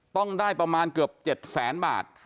ต้องได้ประมาณเกือบ๗แสนบาท